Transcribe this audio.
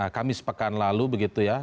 kamis pekan lalu begitu ya